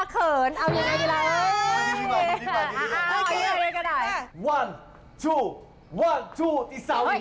ก้าว